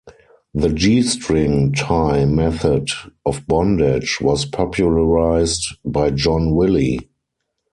The g-string tie method of bondage was popularised by John Willie.